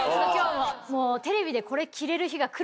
もうテレビでこれ着れる日がくるとは。